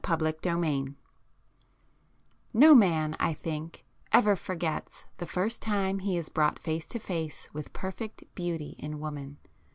Back [p 85]VIII No man, I think, ever forgets the first time he is brought face to face with perfect beauty in woman.